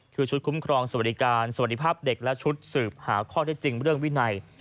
คือชุดคุ้มครองสวัสดิการสวัสดีภาพเด็กและชุดสืบหาข้อได้จริงเรื่องวินัย